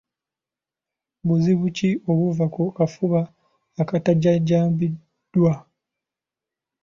Buzibu ki obuva ku kafuba akatajjanjabiddwa?